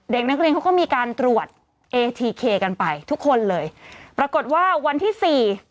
เด็กนักเรียนเขาก็มีการตรวจเอทีเคกันไปทุกคนเลยปรากฏว่าวันที่สี่